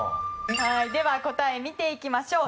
では、答えを見ていきましょう。